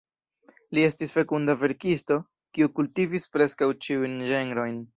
Li estis fekunda verkisto, kiu kultivis preskaŭ ĉiujn ĝenrojn.